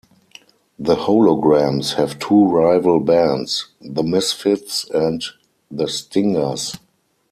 The Holograms have two rival bands: "The Misfits" and "The Stingers".